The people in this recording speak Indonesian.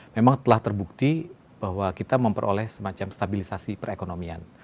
memang telah terbukti bahwa kita memperoleh semacam stabilisasi perekonomian